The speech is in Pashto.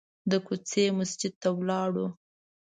د کوڅې مسجد ته ولاړو.